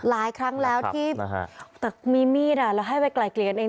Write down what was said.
หลายครั้งแล้วแต่มีมีดอ่ะเราให้ไปกลายเกลียร์กันเอง